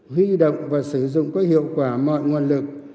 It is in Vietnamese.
huy động và sử dụng có hiệu quả mọi nguồn lực